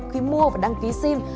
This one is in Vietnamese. khi mua và đăng ký sim